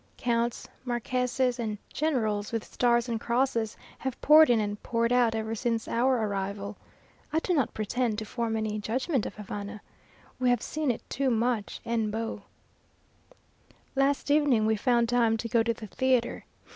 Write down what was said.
Counts, marquesses, and generals, with stars and crosses, have poured in and poured out ever since our arrival. I do not pretend to form any judgment of Havana. We have seen it too much en beau. Last evening we found time to go to the theatre.